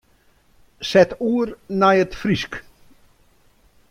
Set oer nei it Frysk.